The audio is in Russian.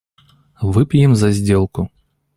Выпьем за сделку.